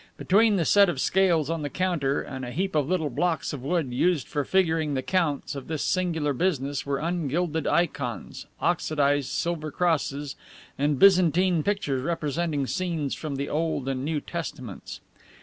Between the set of scales on the counter and a heap of little blocks of wood used for figuring the accounts of this singular business were ungilded ikons, oxidized silver crosses, and Byzantine pictures representing scenes from the Old and New Testaments.